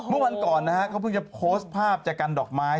เมื่อวันก่อนนะฮะเขาเพิ่งจะโพสต์ภาพจากกันดอกไม้